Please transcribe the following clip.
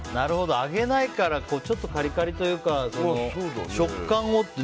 揚げないから、ちょっとカリカリというか食感をって。